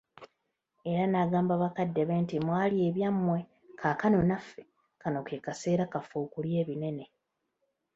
Era n'agamba bakadde be nti, mwalya ebyammwe kaakano naffe kano ke kaseera kaffe okulya ebinene .